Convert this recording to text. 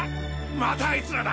またあいつらだ！